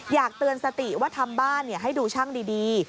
อยากเตือนสติว่าทำบ้านให้ดูช่างดี